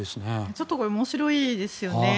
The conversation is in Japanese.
ちょっとこれ面白いですよね。